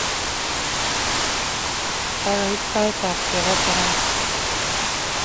Kakoit sap ap keba tarasa